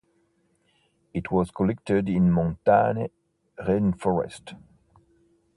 It was collected in montane rainforest.